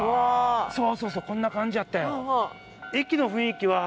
そうそうそうこんな感じやったよ。